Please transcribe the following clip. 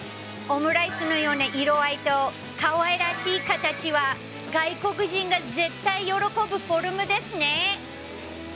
オムライスのような色合いと、かわいらしい形は、外国人が絶対喜ぶフォルムですね。